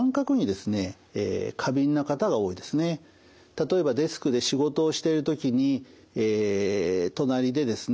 例えばデスクで仕事をしてる時に隣でですね